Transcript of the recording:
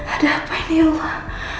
ada apa ini ya allah